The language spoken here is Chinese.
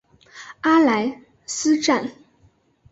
阿莱斯站。